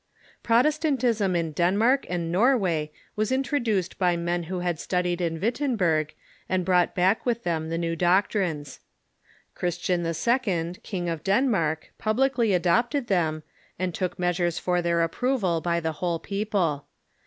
Protestantism in Denmark and Norway was introduced by men who had studied in Wittenberg, and brought back with them the npvv doctrines. Christian II., King of ^^Toma^"'' Denmark, publicly adopted them, and took meas ures for their approval by the whole people.